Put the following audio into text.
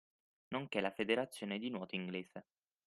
Nonchè la federazione di nuoto inglese.